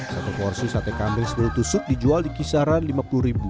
satu porsi sate kambing sebelum tusuk dijual di kisaran rp lima puluh